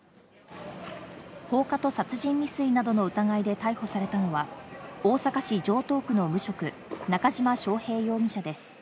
放火と殺人未遂などの疑いで逮捕されたのは大阪市城東区の無職、中島翔平容疑者です。